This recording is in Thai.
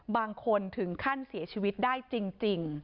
บางคนถึงขั้นเสียชีวิตได้จริง